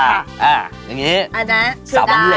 จากนี้สำเร็จหลังเลิก